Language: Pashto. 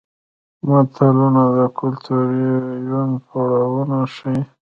متلونه د کولتوري یون پړاوونه ښيي